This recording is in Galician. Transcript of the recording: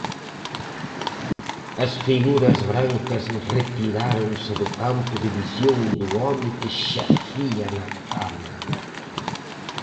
As figuras brancas retiráronse do campo de visión do home que xacía na cama.